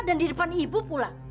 dan di depan ibu pula